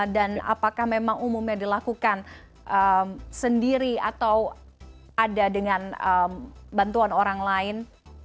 dan apakah memang umumnya dilakukan sendiri atau ada dengan bantuan orang lain